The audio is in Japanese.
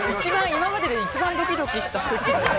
今までで一番ドキドキした。